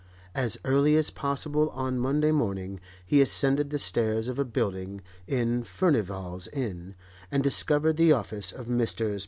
As early as possible on Monday morning he ascended the stairs of a building in Furnival's Inn and discovered the office of Messrs.